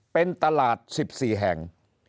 เป็นตลาด๑๔แห่ง